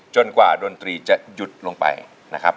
กว่าดนตรีจะหยุดลงไปนะครับ